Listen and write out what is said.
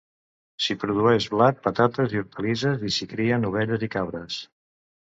S'hi produeix blat, patates i hortalisses, i s'hi crien ovelles i cabres.